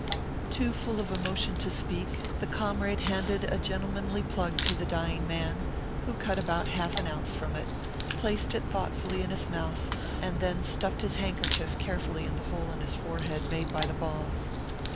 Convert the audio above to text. Too full of emotion to speak, the ^comrade handed a gentlemanly plug to the dying man, who cut about half an ounce from it, placed it thoughtfully in his mouth, and then stuffed his handkerchief carefully in the hole in his forehead made by the balls.